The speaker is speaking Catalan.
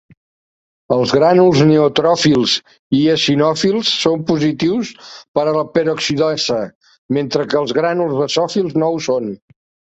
Els grànuls neutròfils i eosinòfils són positius per a la peroxidasa, mentre que els grànuls basòfils no ho són.